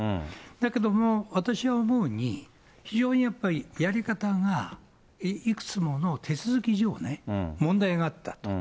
だけども私が思うに、非常にやっぱりやり方が、いくつもの手続き上ね、問題があったと。